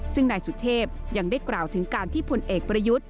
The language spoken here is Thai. ซึ่งนายสุเทพยังได้กล่าวถึงการที่พลเอกประยุทธ์